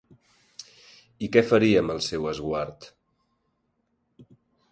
I què faria amb el seu esguard?